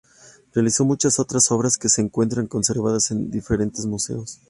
Realizó muchas otras obras que se encuentran conservadas en diferentes museos.